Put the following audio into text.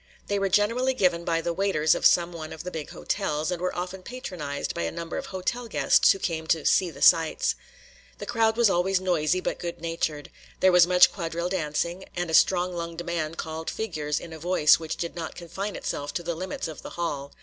They were generally given by the waiters of some one of the big hotels, and were often patronized by a number of hotel guests who came to "see the sights." The crowd was always noisy, but good natured; there was much quadrille dancing, and a strong lunged man called figures in a voice which did not confine itself to the limits of the hall.